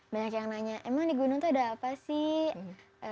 banyak yang nanya emang di gunung tuh ada apa sih